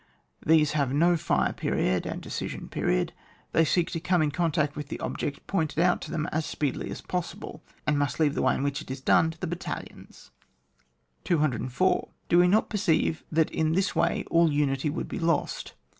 These have no fire period and decision period ; they seek to come in contact with the object pointed out to them as speedily as possible, and must leave the way in which it is to be done to the battalions. 204. Do we not perceive that in this way all unity would be lost